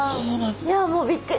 いやもうびっくり。